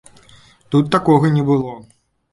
Тут такога не было.